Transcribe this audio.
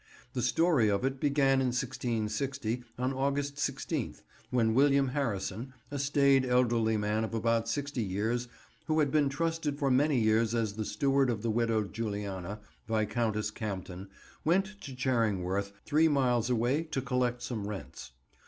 The story of it began in 1660, on August 16th, when William Harrison, a staid elderly man of about sixty years, who had been trusted for many years as the steward of the widowed Juliana, Viscountess Campden, went to Charingworth, three miles away, to collect some rents.